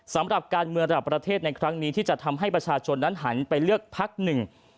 สำหรับการเมืองระดับประเทศในครั้งนี้ที่จะทำให้ประชาชนนั้นหันไปเลือกพักหนึ่ง